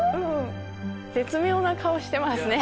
絶妙な顔してますね。